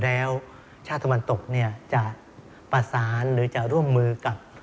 แล้วชาติตะวันตกเนี่ยจะประสานหรือจะร่วมมือกับ